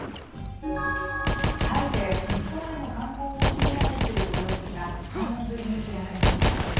タイで日本への観光をＰＲする催しが３年ぶりに開かれました。